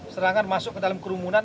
serangan masuk ke dalam kerumunan